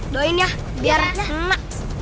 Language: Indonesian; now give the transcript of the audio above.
doain ya biar kena